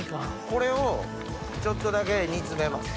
これをちょっとだけ煮詰めます。